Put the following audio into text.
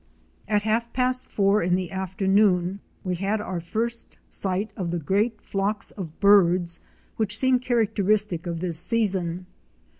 At half past four in the afternoon we had our first sight of the great flocks of birds which seem characteristic of this season.